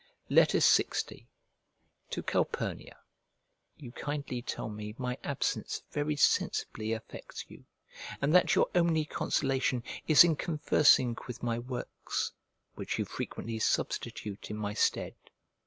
LX To CALPURNIA You kindly tell me my absence very sensibly affects you, and that your only consolation is in conversing with my works, which you frequently substitute in my stead.